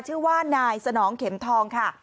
ชื่อว่านายสนองเข็มทองค่ะ